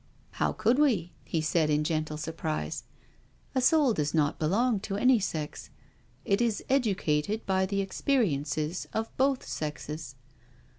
" How could we?" he said in gentle surprise. "A soul does not belong to any sex. It is educated by the experiences of both sexes.